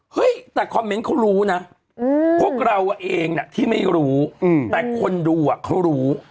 เฮ้ยแต่คอมเมนต์เขารู้นะพวกเราเองที่ไม่รู้แต่คนดูอ่ะเขารู้